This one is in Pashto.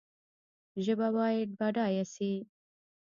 ژبه باید بډایه سي